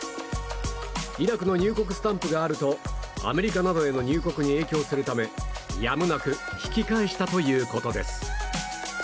イラクの入国スタンプがあるとアメリカなどへの入国に影響するためやむなく引き返したということです。